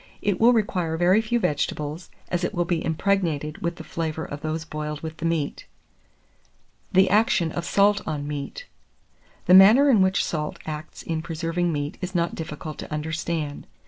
It will require very few vegetables, as it will be impregnated with the flavour of those boiled with the meat. THE ACTION OF SALT ON MEAT. The manner in which salt acts in preserving meat is not difficult to understand.